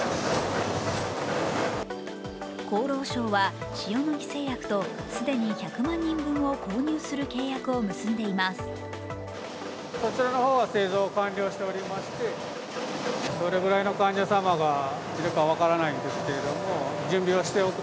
厚労省は塩野義製薬と既に１００万人分を購入する契約を結んでいます。